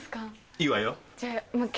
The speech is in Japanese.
いいわよ。